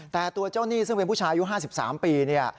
แต่ตัวเจ้าหนี้ซึ่งเป็นผู้ชายอายุ๕๓ปีเนี่ย